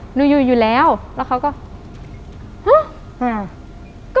หนูอยู่อยู่แล้วแล้วเขาก็